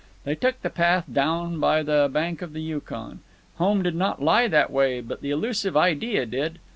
They took the path down by the bank of the Yukon. Home did not lie that way, but the elusive idea did.